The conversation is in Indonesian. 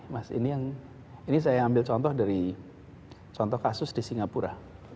mas ini yang ini saya ambil contoh dari contoh kasus di singapura